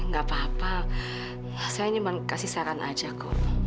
gak apa apa saya cuma kasih saran aja ko